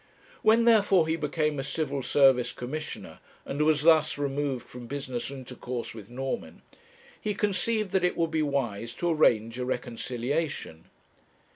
When therefore he became a Civil Service Commissioner, and was thus removed from business intercourse with Norman, he conceived that it would be wise to arrange a reconciliation.